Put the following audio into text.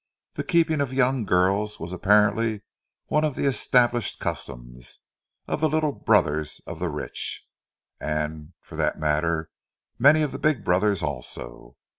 The keeping of young girls was apparently one of the established customs of the "little brothers of the rich"—and, for that matter, of many of the big brothers, also.